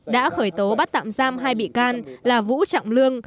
đã khởi tố bắt tạm giam hai bị can là vũ trọng lương